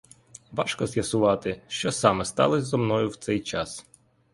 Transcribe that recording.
Важко з'ясувати, що саме сталось зо мною в цей час.